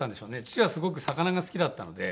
父はすごく魚が好きだったので。